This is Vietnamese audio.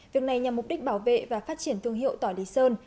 việc này nhằm mục đích bảo vệ và phát triển thương hiệu tỏi lý sơn